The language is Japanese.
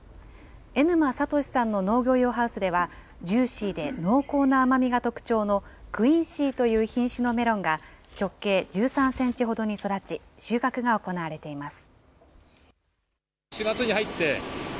江沼俊さんの農業用ハウスでは、ジューシーで濃厚な甘みが特徴のクインシーという品種のメロンが直径１３センチほどに育ち、収穫が行われています。